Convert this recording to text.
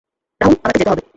রাহুল আমাকে যেতে হবে।